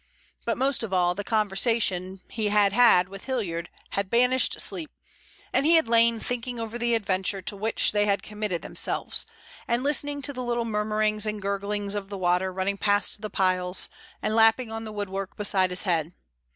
But most of all the conversation be had had with Hilliard had banished sleep, and he had lain thinking over the adventure to which they had committed themselves, and listening to the little murmurings and gurglings of the water running past the piles and lapping on the woodwork beside his head.